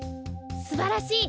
すばらしい！